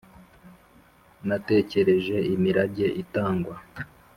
Natekereje imirage itangwa